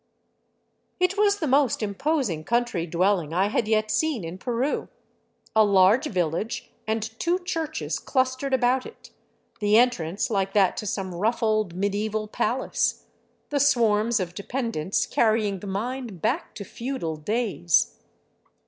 It was the most imposing country dwelling I had yet seen in Peru ; a large village and two churches clustered about it, the entrance like that to some rough old medieval palace, the swarms of dependents carrying the mind back to feudal days.